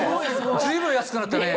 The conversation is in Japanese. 随分安くなったね。